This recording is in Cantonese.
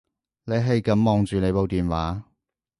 你係噉望住你部電話